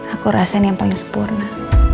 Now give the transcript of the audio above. aku rasa ini yang paling sempurna